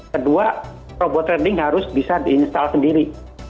kedua robot trading harus bisa di install sendiri